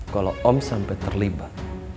kalau om sampai terlibat